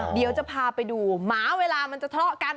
เดี๋ยวจะพาไปดูหมาเวลามันจะทะเลาะกัน